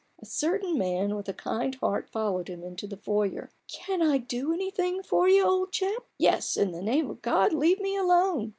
A certain man with a kind heart followed him into the foyer. Can I do anything for you, old chap ?"" Yes ; in the name of God leave me alone